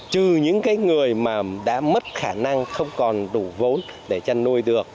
trừ những người mà đã mất khả năng không còn đủ vốn để chăn nuôi được